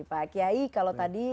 pak kyai kalau tadi